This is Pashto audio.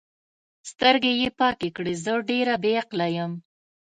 سترګې یې پاکې کړې: زه ډېره بې عقله یم.